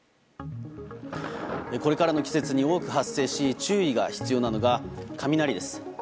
これからの季節に多く発生し注意が必要なのが雷です。